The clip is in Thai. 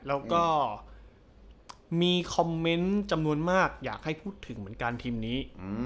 แล้วก็มีคอมเมนต์จำนวนมากอยากให้พูดถึงเหมือนกันทีมนี้